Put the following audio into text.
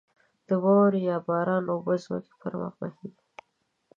د واورې یا باران اوبه د ځمکې پر مخ بهېږې.